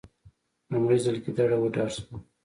لومړی ځل ګیدړه وډار شوه.